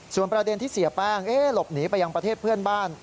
ส่วนประเด็นที่เสียแป้งลบหนีไปยังแพ่นบ้าน